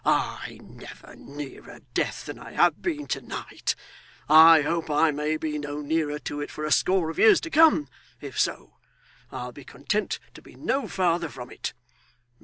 I never nearer death than I have been to night! I hope I may be no nearer to it for a score of years to come if so, I'll be content to be no farther from it.